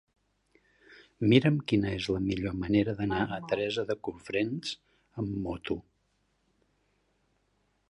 Mira'm quina és la millor manera d'anar a Teresa de Cofrents amb moto.